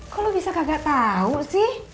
kok lu bisa gak tau sih